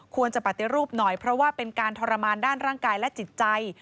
ปฏิรูปหน่อยเพราะว่าเป็นการทรมานด้านร่างกายและจิตใจ